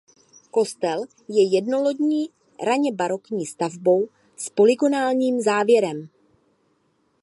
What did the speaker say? Kostel je jednolodní raně barokní stavbou s polygonálním závěrem.